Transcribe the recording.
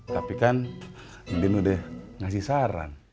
tapi kan mungkin udah ngasih saran